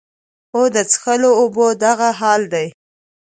او د څښلو اوبو دغه حال دے